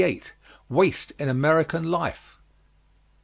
WASTE IN AMERICAN LIFE.